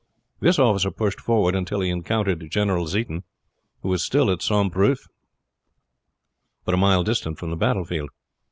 This officer pushed forward until he encountered General Zieten, who was still at Sombreuf, but a mile distant from the battlefield.